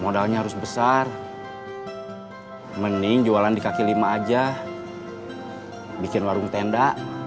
modalnya harus besar mending jualan di kaki lima aja bikin warung tenda